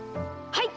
はい！